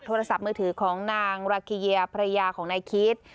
โทรศัพท์มือถือของนางราคิเยียภรรยาของนายคิด